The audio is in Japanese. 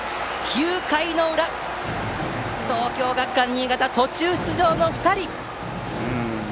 ９回の裏東京学館新潟、途中出場の２人。